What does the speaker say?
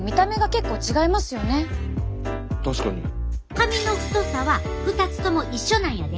髪の太さは２つとも一緒なんやで。